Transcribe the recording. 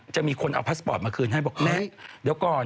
จะมีคนเอาพาสปอร์ตมาคืนให้บอกแม่เดี๋ยวก่อน